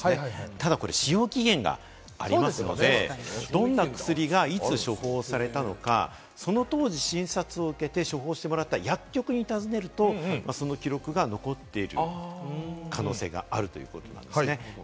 ただ、使用期限がありますので、どんな薬がいつ処方されたのか、その当時、診察を受けて、処方してもらった薬局に尋ねると、その記録が残っている可能性があるということですね。